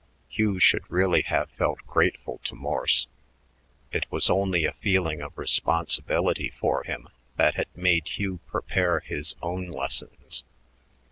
Hugh should really have felt grateful to Morse. It was only a feeling of responsibility for him that had made Hugh prepare his own lessons.